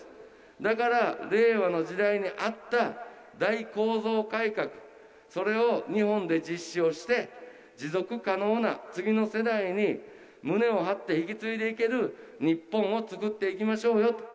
だから令和の時代に合った大構造改革、それを日本で実施をして、持続可能な、次の世代に胸を張って引き継いでいける日本をつくっていきましょうよと。